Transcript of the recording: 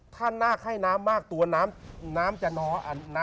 ถ้านาคให้น้ำมากตัวน้ำจะน้อย